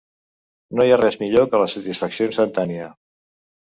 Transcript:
No hi ha res millor que la satisfacció instantània.